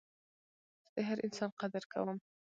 زه د هر انسان قدر کوم.